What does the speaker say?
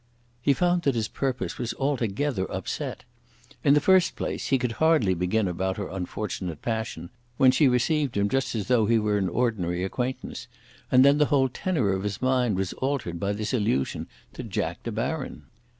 He found that his purpose was altogether upset. In the first place, he could hardly begin about her unfortunate passion when she received him just as though he were an ordinary acquaintance; and then the whole tenour of his mind was altered by this allusion to Jack De Baron.